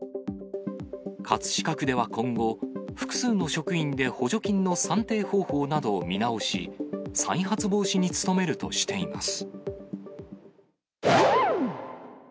葛飾区では今後、複数の職員で補助金の算定方法などを見直し、再発防止に努めるとしています。